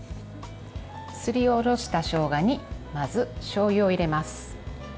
すりおろしたしょうがにまず、しょうゆを入れます。